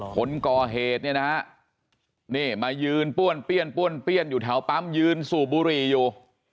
คนก่อเหตุเนี่ยนะฮะนี่มายืนป้วนเปี้ยนป้วนเปี้ยนอยู่แถวปั๊มยืนสูบบุหรี่อยู่